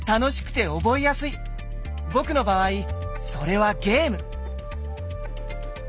僕の場合それはゲーム！